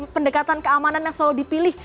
pendekatan keamanan yang selalu dipilih